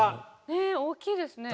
え大きいですね。